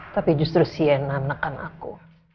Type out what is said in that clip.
tapi justru sienna menekan aku